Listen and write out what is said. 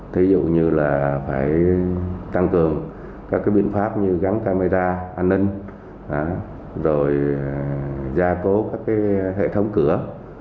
thí dụ như là phải tăng cường các biện pháp như gắn camera an ninh rồi gia cố các hệ thống cửa